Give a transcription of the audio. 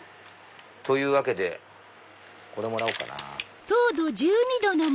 というわけでこれもらおうかな。